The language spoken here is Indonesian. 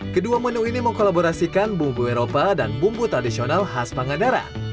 kedua menu ini mengkolaborasikan bumbu eropa dan bumbu tradisional khas pangandaran